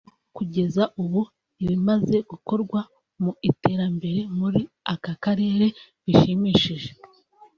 yavuze ko kugeza ubu ibimaze gukorwa mu iterambere muri aka karere bishimishije